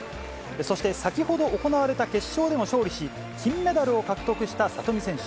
そして先ほど行われた決勝でも勝利し、金メダルを獲得した里見選手。